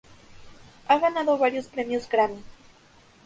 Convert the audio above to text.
Ha ganado varios premios Grammy.